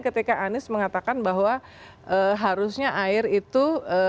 ketika anies mengatakan bahwa harusnya air itu